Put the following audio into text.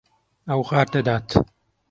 ئەو غار دەدات.